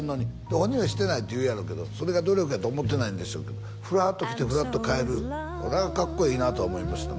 本人はしてないって言うやろうけどそれが努力やと思ってないんでしょうけどふらっと来てふらっと帰る俺はかっこいいなと思いましたね